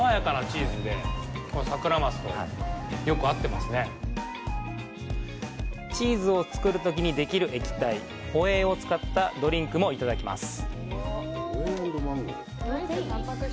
チーズを作るときにできる液体、「ホエー」を使ったドリンクもいただきます。